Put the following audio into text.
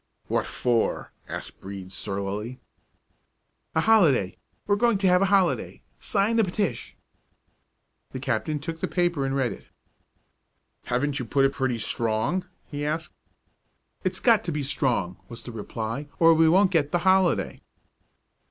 "What for?" asked Brede, surlily. "A holiday! We're going to have a holiday; sign the petish!" The captain took the paper and read it. "Haven't you put it pretty strong?" he asked. "It's got to be strong," was the reply, "or we won't get the holiday."